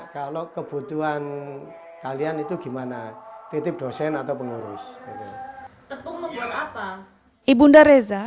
kalau kebutuhan kalian itu gimana titip dosen atau pengurus tepung buat apa ibu nda reza